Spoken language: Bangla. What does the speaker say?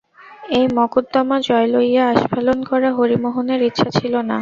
এই মকদ্দমা জয় লইয়া আস্ফালন করা হরিমোহনের ইচ্ছা ছিল না।